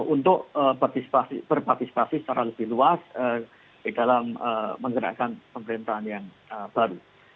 untuk berpartisipasi secara lebih luas di dalam menggerakkan pemerintahan yang baru